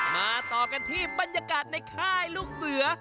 มาต่อกันที่บรรยากาศในค่ายลูกเสือ